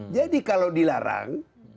jadi kalau dilarang